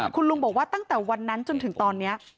คุณลุงบอกว่าตั้งแต่วันนั้นจนถึงตอนนี้